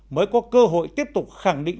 mới có cơ hội tiếp tục khẳng định